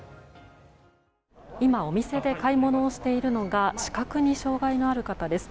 今、お店で買い物をしているのが視覚に障害のある方です。